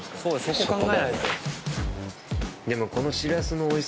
でも。